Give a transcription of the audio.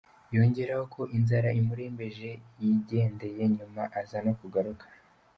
Yongeraho ko inzara imurembeje yigendeye nyuma aza no kugaruka.